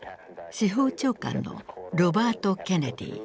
司法長官のロバート・ケネディ。